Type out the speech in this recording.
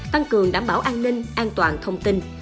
tăng cường đảm bảo an ninh an toàn thông tin